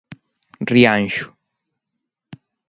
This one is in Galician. Rianxo.